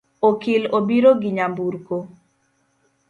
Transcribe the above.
Okil obiro gi nyamburko